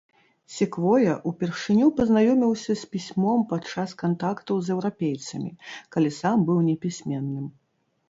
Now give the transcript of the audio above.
Секвоя ўпершыню пазнаёміўся з пісьмом падчас кантактаў з еўрапейцамі, калі сам быў непісьменным.